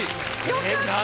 良かった。